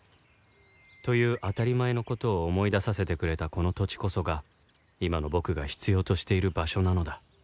という当たり前の事を思い出させてくれたこの土地こそが今の僕が必要としている場所なのだ